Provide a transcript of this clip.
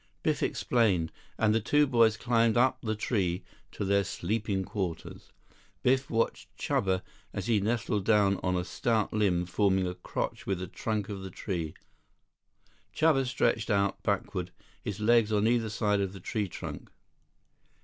Biff explained, and the two boys climbed up the tree to their sleeping quarters. Biff watched Chuba as he nestled down on a stout limb forming a crotch with the trunk of the tree. Chuba stretched out backward, his legs on either side of the tree trunk.